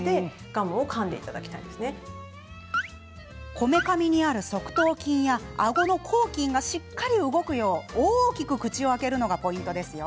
こめかみにある側頭筋やあごの咬筋がしっかり動くよう大きく口を開けるのがポイントですよ。